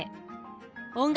音楽